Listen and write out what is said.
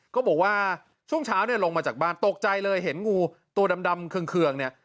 ก็บอกว่าช่วงเช้าลงมาจากบ้านตกใจเลยเห็นงูตัวดำเครื่อง